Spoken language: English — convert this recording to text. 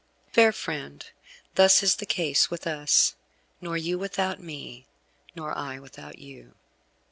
Fair friend, thus is the case with us, nor you without me, nor I without you.